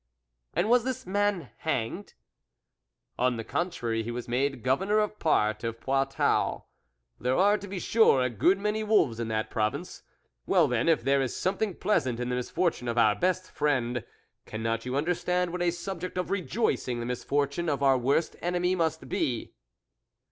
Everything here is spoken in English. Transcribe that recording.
" And was the man hanged ?"" On the contrary, he was made Gover nor of part of Poitou ; there are, to be sure, a good many wolves in that province well then, if there is something pleasant in the misfortune of our best friend, can not you understand what a subject of rejoicing the misfortune of our worst enemy must be